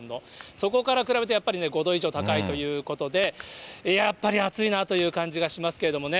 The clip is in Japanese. そこから比べてやっぱりね、５度以上高いということで、やっぱり暑いなという感じがしますけれどもね。